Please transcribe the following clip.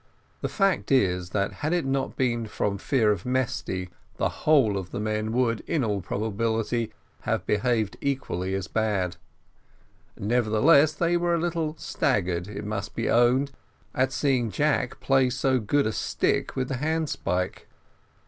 The fact is, that had it not been from fear of Mesty, the whole of the men would, in all probability, have behaved equally as bad; nevertheless, they were a little staggered, it must be owned, at seeing Jack play so good a stick with the handspike.